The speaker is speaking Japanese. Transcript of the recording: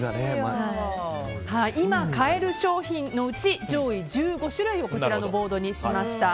今買える商品のうち上位１５種類をこちらのボードにしました。